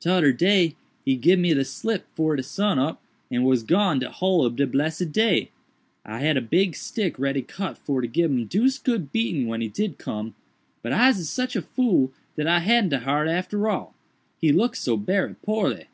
Todder day he gib me slip 'fore de sun up and was gone de whole ob de blessed day. I had a big stick ready cut for to gib him deuced good beating when he did come—but Ise sich a fool dat I hadn't de heart arter all—he look so berry poorly."